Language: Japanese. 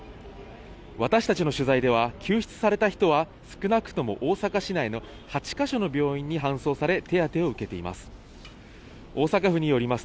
私たちの取材では、救出された人は少なくとも大阪市内の８か所の病院に搬送され手当てを受けています。